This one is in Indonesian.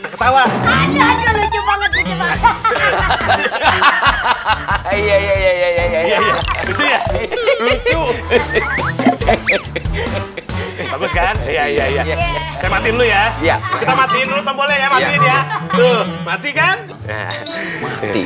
ketawa ada ada lucu banget